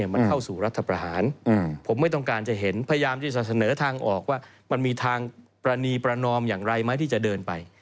มันเข้าสู่รัฐประหารผมไม่ต้องการจะเห็นพยายามที่จะเสนอทางออกว่ามันมีทางประณีประนอมอย่างไรไหมที่จะเดินไป